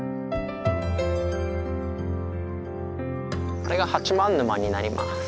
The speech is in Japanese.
あれが八幡沼になります。